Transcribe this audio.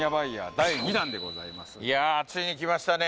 いやついにきましたね。